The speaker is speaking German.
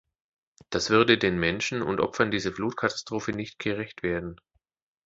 Das würde den Menschen und Opfern dieser Flutkatastrophe nicht gerecht werden.